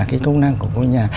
cái công năng của ngôi nhà